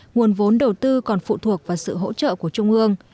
nguồn vốn đầu tư còn phụ thuộc vào sự hỗ trợ của trung ương